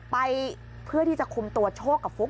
ไปเพื่อที่จะคุมตัวโชคกับฟุ๊ก